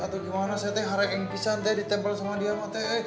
atau gimana saya harap yang pisan teh ditempel sama dia mah teh